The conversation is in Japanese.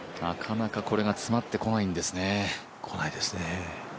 なかなかこれが詰まってこないんですね。